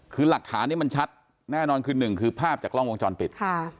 คือหลักฐานนี้มันชัดแน่นอนคือหนึ่งคือภาพจากกล้องวงจรปิด